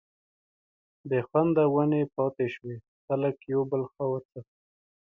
بي خونده ونې پاتي شوې، خلک يو بل خوا ور څخه